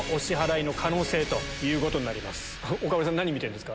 岡村さん何見てるんですか？